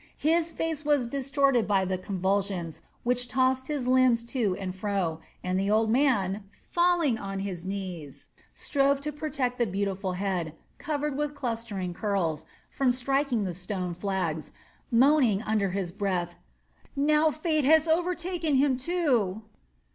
His face was distorted by the convulsions which tossed his limbs to and fro, and the old man, failing on his knees, strove to protect the beautiful head, covered with clustering curls, from striking the stone flags, moaning under his breath "Now fate has overtaken him too."